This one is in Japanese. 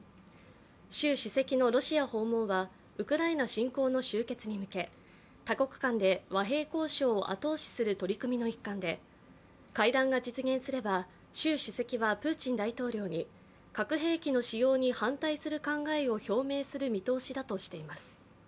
習主席のロシア訪問はウクライナ侵攻の終結に向け、多国間で和平交渉を後押しする取り組みの一環で、会談が実現すれば、習主席はプーチン大統領に核兵器の使用に反対する考えを表明する見通しだとしています。